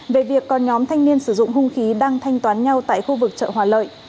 về việc còn nhóm thanh niên sử dụng hung khí đang thanh toán nhau tại khu vực chợ hòa lợi